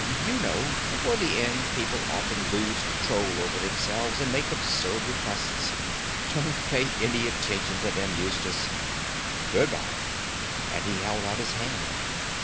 You know, before the end people often lose control over themselves and make absurd requests. Don't pay any attention to them, Eustace. Good by!" and he held out his hand.